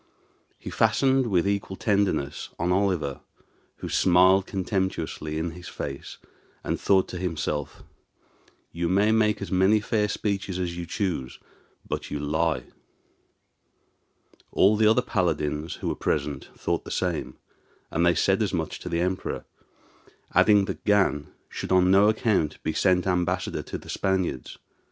He fastened with equal tenderness on Oliver, who smiled contemptuously in his face, and thought to himself, "You may make as many fair speeches as you choose, but you lie." All the other paladins who were present thought the same, and they said as much to the Emperor, adding that Gan should on no account be sent ambassador to the Spaniards.